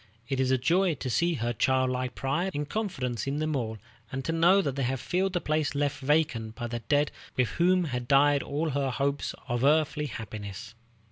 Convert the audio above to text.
It is a joy to see her childlike pride and confidence in them all, and to know that they have filled the place left vacant by the dead with whom had died all her hopes of earthly happiness.